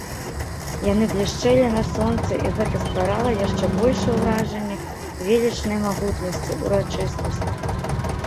Яны блішчэлі на сонцы, і гэта стварала яшчэ большае ўражанне велічнай магутнасці, урачыстасці.